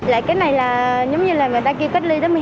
cái này là giống như là người ta kêu cách ly tới một mươi hai